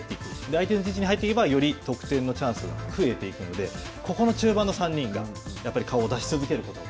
相手の陣地に入っていけば、より得点のチャンスが増えていくのでここの中盤の３人がやっぱり顔を出し続けること。